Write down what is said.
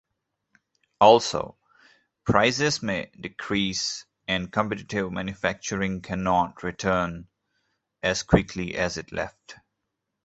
Also, prices may decrease and competitive manufacturing cannot return as quickly as it left.